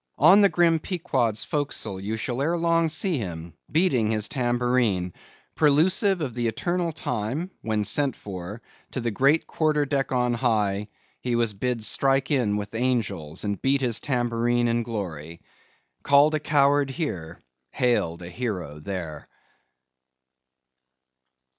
On the grim Pequod's forecastle, ye shall ere long see him, beating his tambourine; prelusive of the eternal time, when sent for, to the great quarter deck on high, he was bid strike in with angels, and beat his tambourine in glory; called a coward here, hailed a hero there!